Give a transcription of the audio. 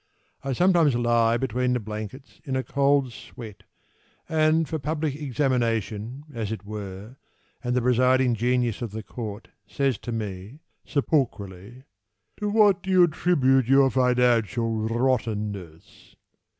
I sometimes lie Between the blankets In a cold sweat And for public examination as it were, And the presiding genius of the court Says to me, sepulchrally, "To what do you attribute your financial rottenness?"